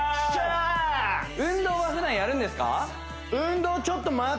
運動はふだんやるんですか？